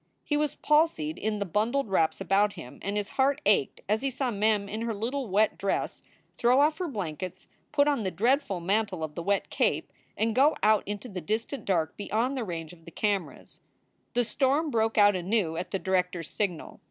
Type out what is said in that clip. He was palsied in the bundled wraps about him and his heart ached as he saw Mem in her little wet dress throw off her blankets, put on the dreadful mantle of the wet cape, and go out into the distant dark beyond the range of the cameras. The storm broke out anew at the director s signal.